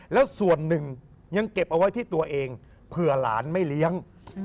แล้วส่วนหนึ่งยังเก็บเอาไว้ที่ตัวเองเผื่อหลานไม่เลี้ยง